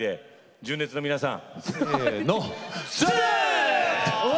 純烈の皆さん。